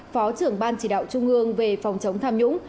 phó trưởng ban chỉ đạo trung ương về phòng chống tham nhũng